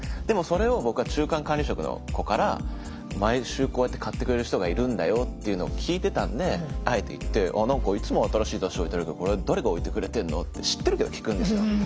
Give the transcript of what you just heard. でもそれを僕は中間管理職の子から毎週こうやって買ってくれる人がいるんだよっていうのを聞いてたんであえて行って「なんかいつも新しい雑誌置いてあるけどこれ誰が置いてくれてんの？」って知ってるけど聞くんですよ。